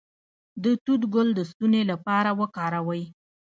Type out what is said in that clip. د توت ګل د ستوني لپاره وکاروئ